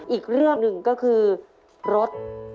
อีกเรื่องหนึ่งก็คือรถ